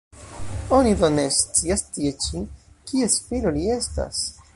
Oni do ne scias tie ĉi, kies filo li estas?